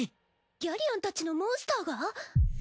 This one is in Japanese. ギャリアンたちのモンスターが？